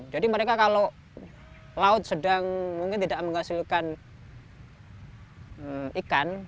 jadi mereka kalau laut sedang mungkin tidak menghasilkan ikan